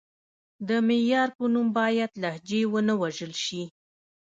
د معیار په نوم باید لهجې ونه وژل شي.